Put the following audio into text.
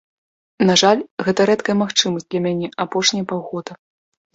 На жаль, гэта рэдкая магчымасць для мяне апошнія паўгода.